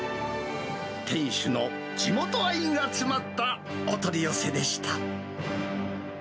店主の地元愛が詰まったお取り寄せでした。